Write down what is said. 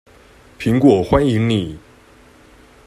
蘋果歡迎你